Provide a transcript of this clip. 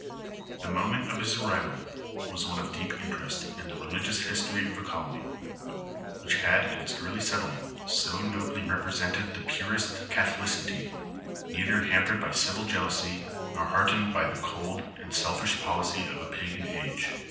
* The moment of his arrival was one of deep interest in the religious history of a colony, which had in its early settlement BO nobly represented the purest Catholicity, neither hampered by civil jealousy, nor nnhearted by the cold and selfish policy of a pagan age.